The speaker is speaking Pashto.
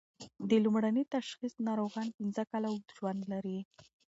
د لومړني تشخیص ناروغان پنځه کاله اوږد ژوند لري.